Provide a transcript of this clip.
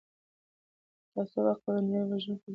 تعصب عقل ړندوي او وجدان کمزوری کوي